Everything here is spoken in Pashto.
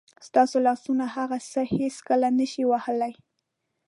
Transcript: ستاسو لاسونه هغه څه هېڅکله نه شي وهلی.